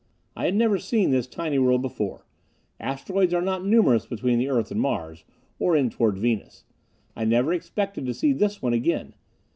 I had never seen this tiny world before asteroids are not numerous between the Earth and Mars, or in toward Venus. I never expected to see this one again.